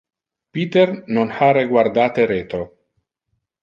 Peter non ha reguardate retro.